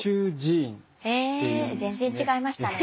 へぇ全然違いましたね。